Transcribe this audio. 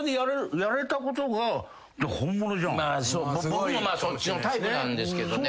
僕もまあそっちのタイプなんですけどね。